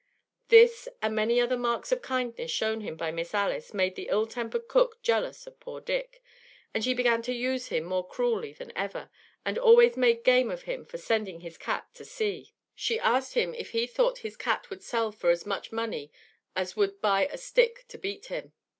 This, and many other marks of kindness shown him by Miss Alice made the ill tempered cook jealous of poor Dick, and she began to use him more cruelly than ever, and always made game of him for sending his cat to sea. She asked him if he thought his cat would sell for as much money as would buy a stick to beat him.